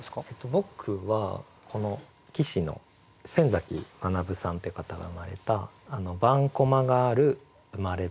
僕はこの棋士の先崎学さんって方が詠まれた「盤駒がある生まれたる家」。